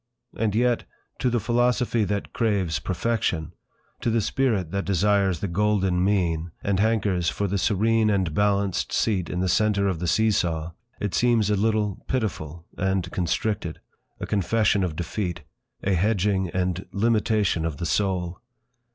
And yet—to the philosophy that craves Perfection, to the spirit that desires the golden mean, and hankers for the serene and balanced seat in the centre of the see saw, it seems a little pitiful, and constricted; a confession of defeat, a hedging and limitation of the soul.